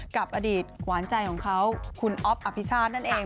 กับอดีตหวานใจของเขาคุณอ๊อฟอภิชาตินั่นเอง